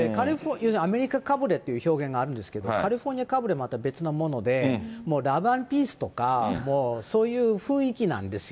アメリカかぶれという表現があるんですけど、カリフォルニアかぶれ、また別なもので、ラブ＆ピースとか、もうそういう雰囲気なんですよ。